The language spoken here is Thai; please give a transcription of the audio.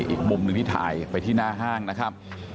อีกมุมหนึ่งที่ถ่ายไปที่หน้าห้างนะครับ